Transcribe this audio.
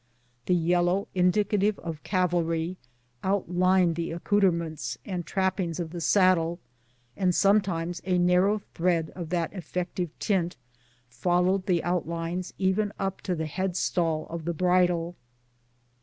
The yellow, indicative of cavalry, outlined the accoutrements, the trappings of the saddle, and sometimes a narrow thread of that effective tint followed the outlines even up to the head stall of the bridle.